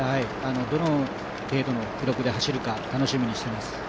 どの程度の記録で走るか楽しみにしています。